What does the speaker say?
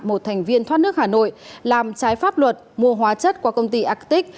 một thành viên thoát nước hà nội làm trái pháp luật mua hóa chất qua công ty acatic